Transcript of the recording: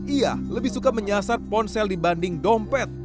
ia lebih suka menyasar ponsel dibanding dompet